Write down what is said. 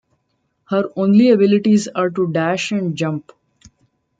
Her only abilities are to dash and jump.